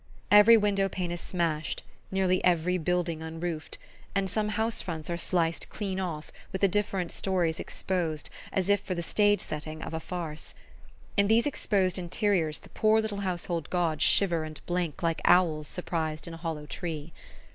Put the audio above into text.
Every window pane is smashed, nearly every building unroofed, and some house fronts are sliced clean off, with the different stories exposed, as if for the stage setting of a farce. In these exposed interiors the poor little household gods shiver and blink like owls surprised in a hollow tree.